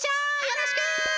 よろしく！